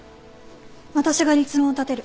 私が立論を立てる